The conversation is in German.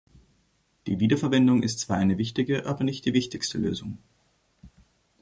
Die Wiederverwendung ist zwar eine wichtige, aber nicht die wichtigste Lösung.